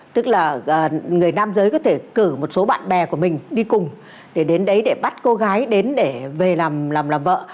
tức là người nam giới có thể cử một số bạn bè của mình đi cùng để đến đấy để bắt cô gái đến để về làm làm vợ